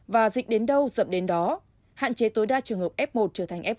và dịch đến đâu dập đến đó hạn chế tối đa trường hợp f một trở thành f